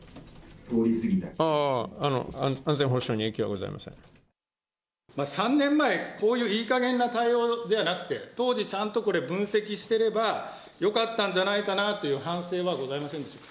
ああ、安全保障に影響はござ３年前、こういういいかげんな対応ではなくて、当時、ちゃんと分析してればよかったんじゃないかなという反省はございませんでしょうか。